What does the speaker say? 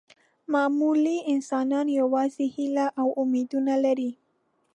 معمولي انسانان یوازې هیلې او امیدونه لري.